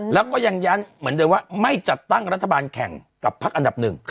แล้วก็ยังย้ำเหมือนเดิมว่าไม่จัดตั้งรัฐบาลแข่งกับพักอันดับหนึ่ง